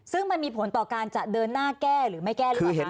ซึ่งมันมีผลต่อการจะเดินหน้าแก้หรือไม่แก้หรือเปล่าคะ